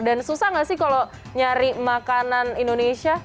dan susah nggak sih kalau nyari makanan indonesia